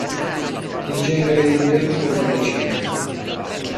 Il genere è endemico della Cina.